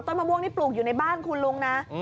มะม่วงนี่ปลูกอยู่ในบ้านคุณลุงนะ